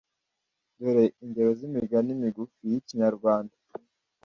Dore ingero z’imigani migufi y’Ikinyarwanda